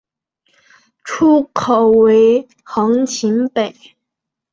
出口为横琴北。